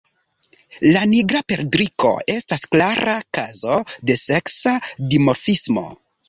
La Nigra perdriko estas klara kazo de seksa dimorfismo.